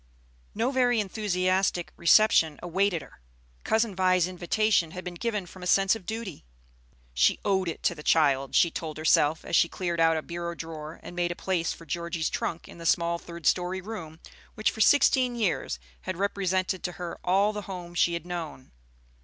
No very enthusiastic reception awaited her. Cousin Vi's invitation had been given from a sense of duty. She "owed it to the child," she told herself, as she cleared out a bureau drawer, and made a place for Georgie's trunk in the small third story room which for sixteen years had represented to her all the home she had known.